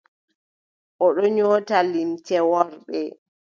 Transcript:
O ɗon nyoota limce worɓe.